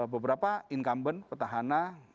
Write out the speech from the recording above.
beberapa incumbent petahana